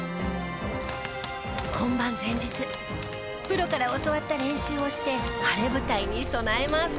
プロから教わった練習をして晴れ舞台に備えます。